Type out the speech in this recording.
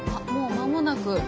間もなく？